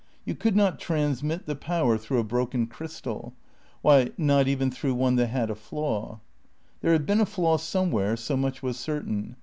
You could not transmit the Power through a broken crystal why, not even through one that had a flaw. There had been a flaw somewhere; so much was certain.